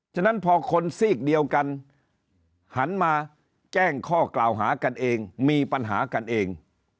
ฉะนั้นพอคนซีกเดียวกันหันมาแจ้งข้อกล่าวหากันเองมีปัญหากันเอง